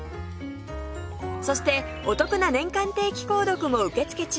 そしてお得な年間定期購読も受け付け中